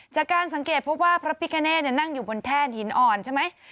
จากการสังเกตพบว่าพระพิกาเนตนั่งอยู่บนแท่นหินอ่อนใช่ไหม